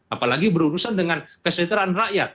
apalagi berurusan dengan kesejahteraan rakyat